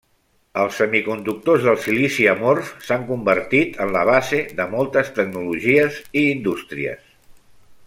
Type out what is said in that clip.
Els semiconductors del silici amorf s'han convertit en la base de moltes tecnologies i indústries.